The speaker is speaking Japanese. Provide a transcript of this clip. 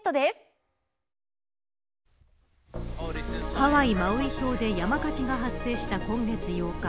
ハワイ・マウイ島で山火事が発生した今月８日。